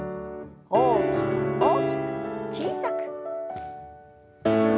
大きく大きく小さく。